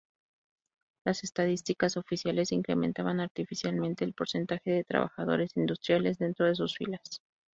Las estadísticas oficiales incrementaban artificialmente el porcentaje de trabajadores industriales dentro de sus filas.